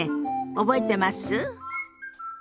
覚えてます？